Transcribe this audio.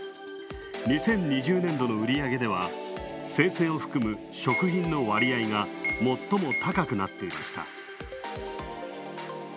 ２０２０年度の売り上げでは生鮮を含む食品の割合が最も高くなっていました。